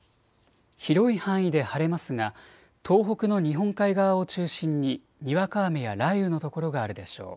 広い範囲で晴れますが東北の日本海側を中心ににわか雨や雷雨の所があるでしょう。